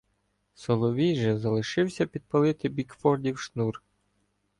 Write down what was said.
Соловій же залишився підпалити бікфордів шнур.